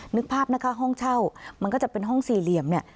นึกภาพนะคะห้องเช่ามันก็จะเป็นห้องสี่เหลี่ยมเนี่ย